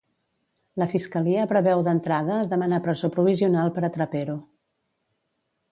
La Fiscalia preveu d'entrada demanar presó provisional per a Trapero.